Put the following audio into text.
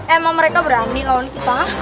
emang mereka berani lawan kita